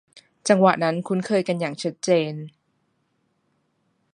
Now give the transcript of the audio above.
จังหวะนั้นคุ้นเคยกันอย่างชัดเจน